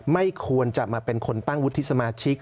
ไม่ควรจะมาเป็นคนตั้งวุฒิสมาชิก